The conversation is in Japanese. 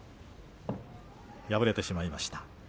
敗れてしまいました。